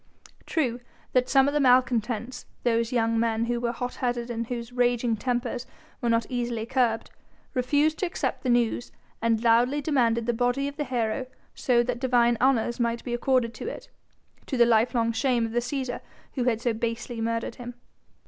True that some of the malcontents those young men who were hot headed and whose raging tempers were not easily curbed refused to accept the news and loudly demanded the body of the hero so that divine honours might be accorded to it, to the lifelong shame of the Cæsar who had so basely murdered him.